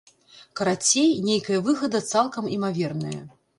Карацей, нейкая выгада цалкам імаверная.